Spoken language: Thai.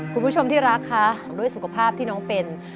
คุณผู้ชมที่รักคะด้วยสุขภาพที่น้องเป็น